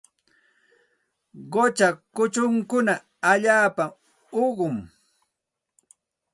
Qucha kuchunkuna allaapa uqumi.